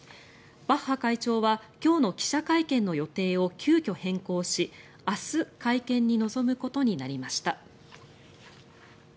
バッハ会長は今日の記者会見の予定を急きょ変更し明日、会見に臨むことになりました。